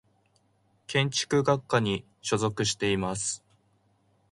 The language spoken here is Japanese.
建築学科に所属しています。